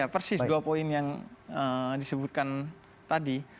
persis dua poin yang disebutkan tadi